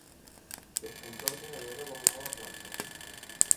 Per Sant Jordi na Vera vol anar a la platja.